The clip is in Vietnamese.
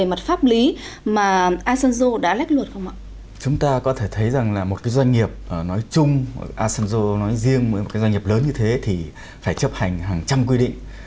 asanzo nói riêng một doanh nghiệp lớn như thế thì phải chấp hành hàng trăm quy định